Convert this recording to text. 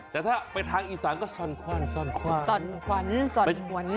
แต่ถ้าไปทางอีสานก็ส่อนควันซ่อนขวัญส่อนขวัญ